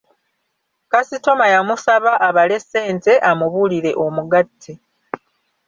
Kasitoma yamusaba abale ssente amubuulire omugatte.